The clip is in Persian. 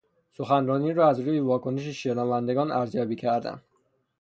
سخنرانی را از روی واکنش شنوندگان ارزیابی کردن